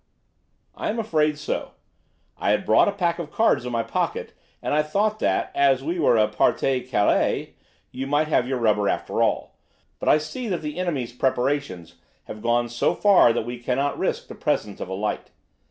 "I am afraid so. I had brought a pack of cards in my pocket, and I thought that, as we were a partie carrée, you might have your rubber after all. But I see that the enemy's preparations have gone so far that we cannot risk the presence of a light.